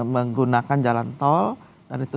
menggunakan jalan tol dan itu